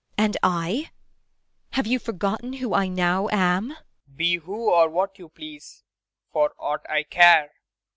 And I? Have you forgotten who I now am? PROFESSOR RUBEK. Be who or what you please, for aught I care!